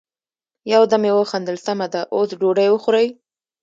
يو دم يې وخندل: سمه ده، اوس ډوډی وخورئ!